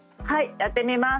やってみます。